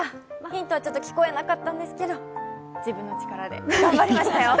ヒントは聞こえなかったんですけど自分の力で頑張りましたよ。